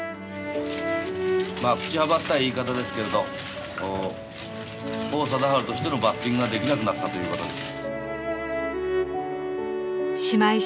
まあ口幅ったい言い方ですけれど王貞治としてのバッティングができなくなったということです。